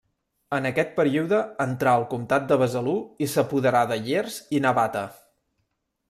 En aquest període entrà al comtat de Besalú i s'apoderà de Llers i Navata.